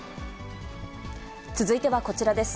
続いてはこちらです。